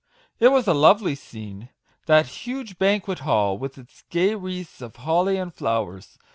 It was a lovely scene, that huge banquet hall, with its gay wreaths of holly and flowers.